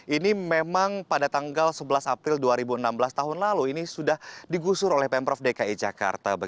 ini memang pada tanggal sebelas april dua ribu enam belas tahun lalu ini sudah digusur oleh pemprov dki jakarta